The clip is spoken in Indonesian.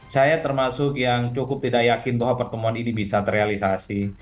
saya termasuk yang cukup tidak yakin bahwa pertemuan ini bisa terrealisasi